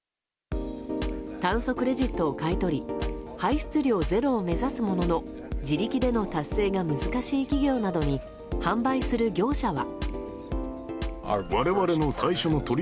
炭素クレジットを買い取り排出量ゼロを目指すものの自力での達成が難しい企業などに販売する業者は。